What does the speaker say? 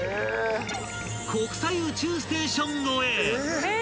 ［国際宇宙ステーション超え］